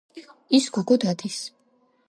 ის გოგო დადის.